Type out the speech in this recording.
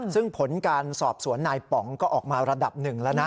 ซึ่งผลการสอบสวนนายป๋องก็ออกมาระดับหนึ่งแล้วนะ